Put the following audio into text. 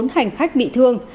bốn hành khách bị thương